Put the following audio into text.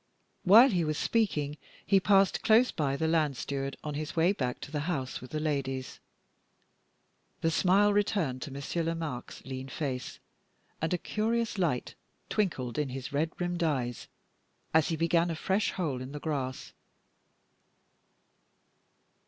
While he was speaking, he passed close by the land steward, on his way back to the house with the ladies. The smile returned to Monsieur Lomaque's lean face, and a curious light twinkled in his red rimmed eyes as he began a fresh hole in the grass.